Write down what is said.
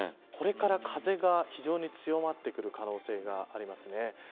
これから風が非常に強まってくる可能性がありますね。